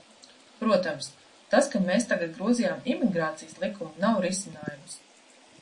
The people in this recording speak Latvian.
Protams, tas, ka mēs tagad grozījām Imigrācijas likumu, nav risinājums.